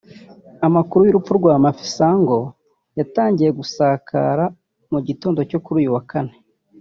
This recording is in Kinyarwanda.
Amakuru y’urupfu rwa Mafisango yatangiye gusakara mu gitondo cyo kuri uyu wa kane